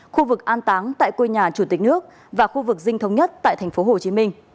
khu vực an táng tại quê nhà chủ tịch nước và khu vực dinh thống nhất tại tp hcm